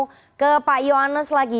mau ke pak yohanes lagi